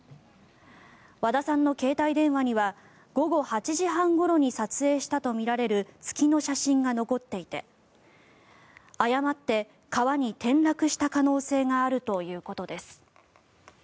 和田さんの携帯電話には午後８時半ごろに撮影したとみられる月の写真が残っていて誤って川に転落した可能性があるということです。